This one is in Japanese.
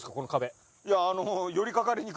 いやあの。